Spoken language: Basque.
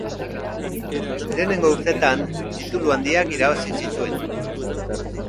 Lehenengo urteetan titulu handiak irabaz zituen.